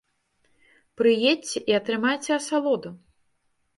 Прыедзьце і атрымайце асалоду!